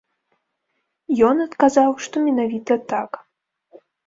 Ён адказаў, што менавіта так.